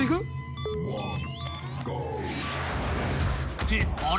［ってあれ？